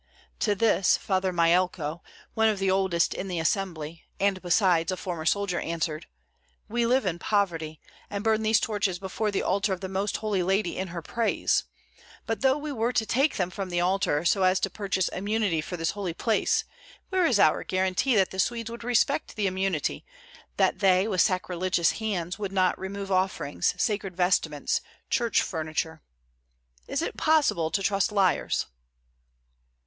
To this Father Myelko, one of the oldest in the assembly, and besides a former soldier, answered: "We live in poverty, and burn these torches before the altar of the Most Holy Lady in Her praise. But though we were to take them from the altar so as to purchase immunity for this holy place, where is our guarantee that the Swedes will respect the immunity, that they with sacrilegious hands will not remove offerings, sacred vestments, church furniture? Is it possible to trust liars?"